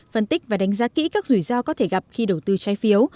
phân tích và đánh giá kỹ các rủi ro có thể gặp khi đầu tư trái phiếu